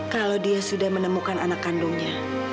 kalau dia sudah menemukan anak kandungnya